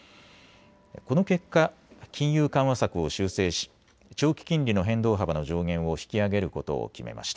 この結果、金融緩和策を修正し長期金利の変動幅の上限を引き上げることを決めました。